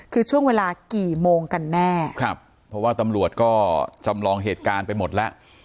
คือช่วงเวลากี่โมงกันแน่ครับเพราะว่าตำรวจก็จำลองเหตุการณ์ไปหมดแล้ว